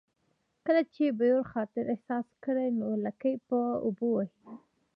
کله چې بیور خطر احساس کړي نو لکۍ په اوبو وهي